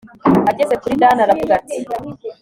ageze kuri dani aravuga ati